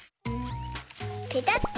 ペタッと。